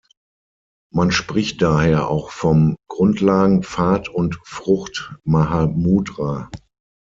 Man spricht daher auch vom „Grundlagen-, Pfad- und Frucht-Mahamudra“.